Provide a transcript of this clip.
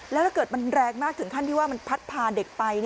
แล้วถ้าเกิดมันแรงมากถึงขั้นที่ว่ามันพัดพาเด็กไป